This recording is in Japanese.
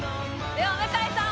では向井さん